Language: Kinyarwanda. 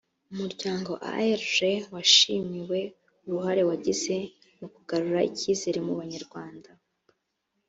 umuryango aerg washimiwe uruhare wagize mu kugarura icyizere mu banyarwanda